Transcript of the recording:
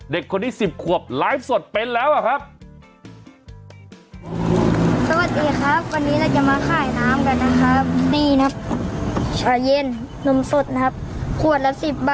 เด็กคนนี้๑๐ขวบไลฟ์สดเป็นแล้วอะครับ